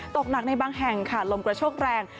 ตกหนักในบางแห่งค่ะลมกระโชกแรง